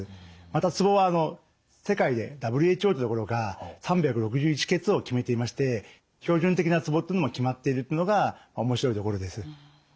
またツボは世界でＷＨＯというところが３６１穴を決めていまして標準的なツボっていうのも決まっているっていうのが面白いところです。